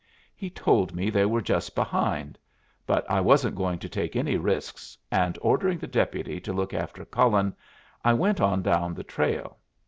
He told me they were just behind; but I wasn't going to take any risks, and, ordering the deputy to look after Cullen, I went on down the trail.